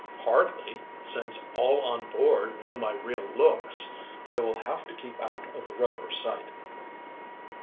"Hardly, since all on board know my real looks. I will have to keep out of Rover's sight."